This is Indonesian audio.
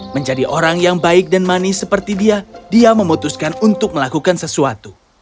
menjadi orang yang baik dan manis seperti dia dia memutuskan untuk melakukan sesuatu